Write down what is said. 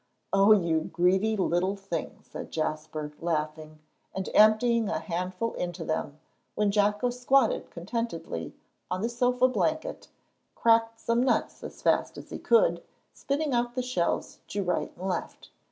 "Oh, you greedy little thing," said Jasper, laughing, and emptying a handful into them, when Jocko squatted contentedly on the sofa blanket, cracked some nuts as fast as he could, spitting out the shells to right and to left.